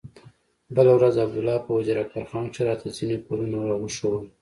بله ورځ عبدالله په وزير اکبر خان کښې راته ځينې کورونه راوښوول.